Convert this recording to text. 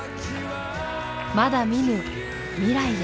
まだ見ぬ未来へ。